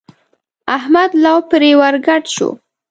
احمد لو پرې ور ګډ شو.